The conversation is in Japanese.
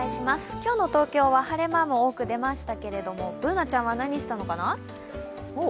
今日の東京は晴れ間も多く出ましたけどＢｏｏｎａちゃんは何をしたのかな？